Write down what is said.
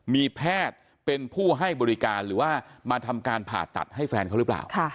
มีแพทย์เป็นผู้ให้บริการหรือว่ามาทำการผ่าตัดให้แฟนเขาหรือเปล่า